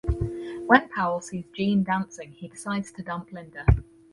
When Powell sees Jean dancing, he decides to dump Linda.